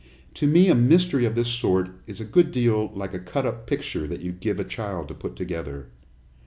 To me a mystery of this sort is a good deal like a cut up picture that you give a child to put together.